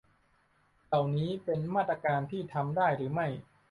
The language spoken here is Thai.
เหล่านี้เป็นมาตรการที่ทำได้หรือไม่